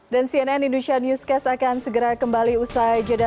dan cnn indonesia newscast akan segera kembali usai jeda